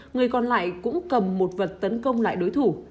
người còn lại cũng cầm một vật tấn công lại đối thủ